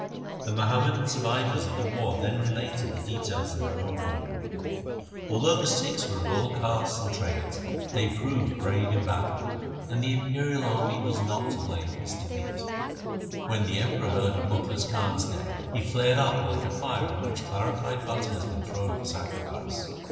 The Muham madan survivors of the war then related its details in their own way. 'Although the Sikhs were of 96 THE SIKH RELIGION all castes and trades, they proved brave in battle, and the imperial army was not to blame for its defeat.' When the Emperor heard of Mukhlis Khan's death, he flared up like a fire on which clarified butter has been thrown for sacrifice.